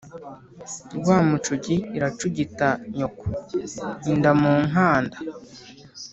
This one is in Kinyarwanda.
Rwamacugi iracugita nyoko.-Inda mu nkanda.